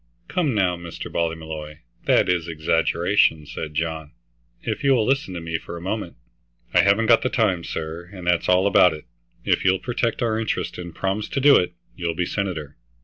"Come now, Mr. Ballymolloy, that is exaggeration," said John. "If you will listen to me for a moment" "I haven't got the time, sir, and that's all about it. If you'll protect our interests and promise to do it, you'll be senator.